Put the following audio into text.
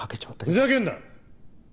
ふざけんな！